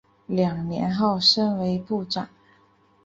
两年后升为部长。